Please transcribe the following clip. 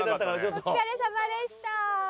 お疲れさまでした。